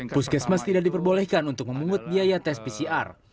puskesmas tidak diperbolehkan untuk memungut biaya tes pcr